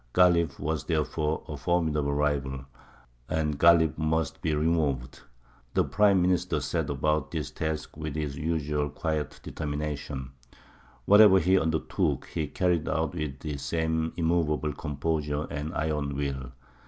Ghālib was therefore a formidable rival, and Ghālib must be removed. The Prime Minister set about this task with his usual quiet determination. Whatever he undertook he carried out with the same immovable composure and iron will.